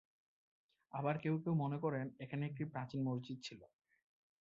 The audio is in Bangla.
আবার কেউ কেউ মনে করেন, এখানে একটি প্রাচীন মসজিদ ছিল।